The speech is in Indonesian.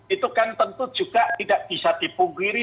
itu kan tentu juga tidak bisa dipungkiri